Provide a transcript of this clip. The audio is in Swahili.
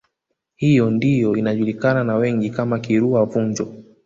Hiyo ndiyo inajulikana na wengi kama Kirua Vunjo